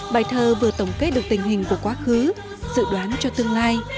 bài thơ vừa tổng kết được tình hình của quá khứ dự đoán cho tương lai